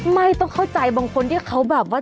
ไม่ต้องเข้าใจบางคนที่เขาแบบว่า